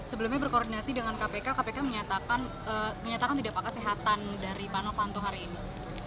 sebelumnya berkoordinasi dengan kpk kpk menyatakan tidak pakai kesehatan dari pak novanto hari ini